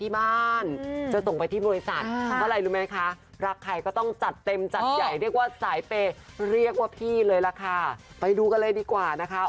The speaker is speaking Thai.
ว่าพี่เลยแหละค่ะไปดูกันเลยดีกว่านะคะ